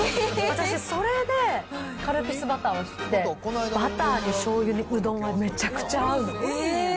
私、それでカルピスバターを知って、バターにしょうゆに、うどんはめちゃくちゃ合うの。